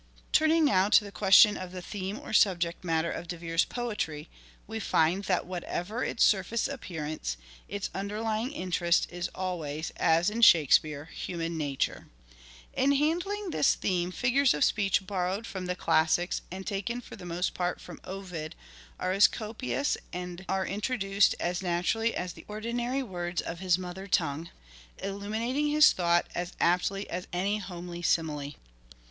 Turning now to the question of the theme or subject Central matter of De Vere's poetry, we find that whatever its surface appearance, its underlying interest is always, as in Shakespeare, human nature. In handling this theme figures of speech borrowed from the classics and taken for the most part from Ovid are as copious and are introduced as naturally as the ordinary words of his mother tongue, illuminating his thought as aptly as any homely simile.